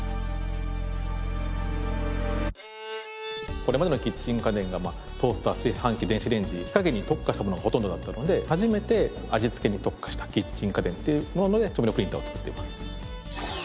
これまでのキッチン家電がトースター炊飯器電子レンジ火加減に特化したものがほとんどだったので初めて味付けに特化したキッチン家電というもので調味料プリンターを作っています。